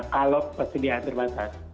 kalau persediaan terbatas